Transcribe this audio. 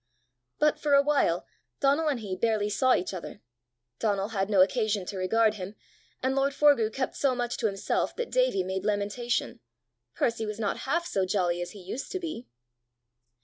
But for a while Donal and he barely saw each other; Donal had no occasion to regard him; and lord Forgue kept so much to himself that Davie made lamentation: Percy was not half so jolly as he used to be!